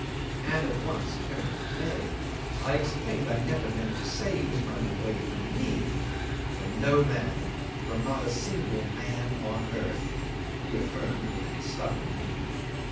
and at once turned at bay. I explained I never meant to say he was running away from me. "From no man from not a single man on earth," he affirmed with a stubborn mien.